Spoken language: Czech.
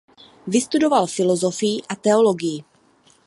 Vystudoval filozofii a teologii.